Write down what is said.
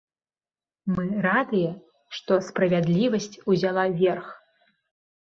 Мы радыя, што справядлівасць узяла верх.